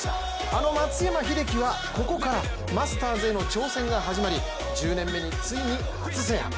あの松山英樹はここからマスターズへの挑戦が始まり１０年目に、ついに初制覇。